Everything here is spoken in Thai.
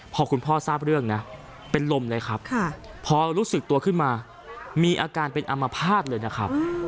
พอคุณพ่อทราบเรื่องนะเป็นลมเลยครับพอรู้สึกตัวขึ้นมามีอาการเป็นอมภาษณ์เลยนะครับ